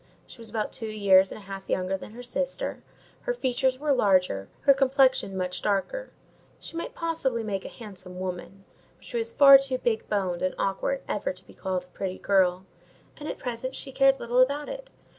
She was about two years and a half younger than her sister; her features were larger, her complexion much darker. She might possibly make a handsome woman; but she was far too big boned and awkward ever to be called a pretty girl, and at present she cared little about it.